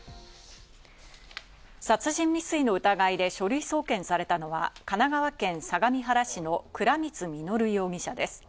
殺人未遂の疑いで書類送検されたのは、神奈川県相模原市の倉光実容疑者です。